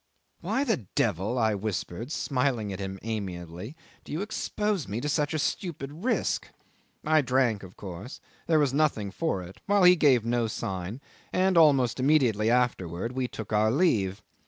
"Why the devil," I whispered, smiling at him amiably, "do you expose me to such a stupid risk?" I drank, of course, there was nothing for it, while he gave no sign, and almost immediately afterwards we took our leave.